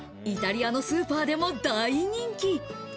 イタリアのスーパーでも大人気。